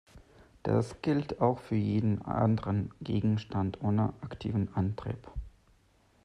Das gilt auch für jeden anderen Gegenstand ohne aktiven Antrieb.